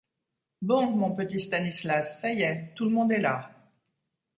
Bon mon petit Stanislas, ça y est, tout le monde est là.